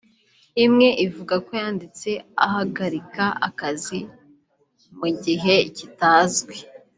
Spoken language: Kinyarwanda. imwe ivuga ko yanditse ahagarika akazi mu gihe kitazwi